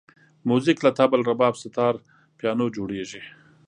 موزیک له طبل، رباب، ستار، پیانو جوړېږي.